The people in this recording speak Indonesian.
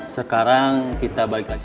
sekarang kita balik lagi